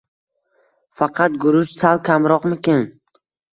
Faqaat guruch sal kamroqmikan